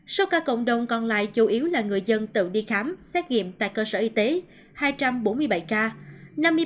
số ca cộng đồng còn lại chủ yếu là người dân tự đi khám xét nghiệm tại cơ sở y tế hai trăm bốn mươi bảy ca